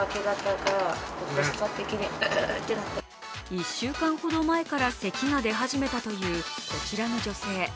１週間ほど前からせきが出始めたというこちらの女性。